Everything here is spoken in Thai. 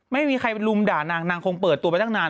ไม่มีใครไปลุมด่านางนางคงเปิดตัวไปตั้งนาน